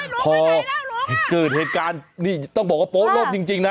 ล้มไปไหนแล้วล้มอ่ะพอเกิดเหตุการณ์นี่ต้องบอกว่าโป๊บล้มจริงจริงน่ะ